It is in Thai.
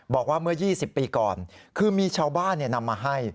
บอกว่าเมื่อ๒๐ปีก่อนคือมีชาวบ้านนำมาให้